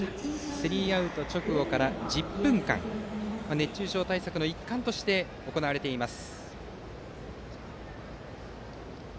スリーアウト直後から１０分間熱中症対策の一環として行われています。